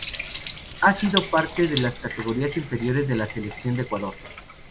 Ha sido parte de las categorías inferiores de la Selección de Ecuador.